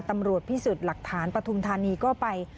ตำรวจพิสูจน์หลักฐานปฐุมธานีก็ไป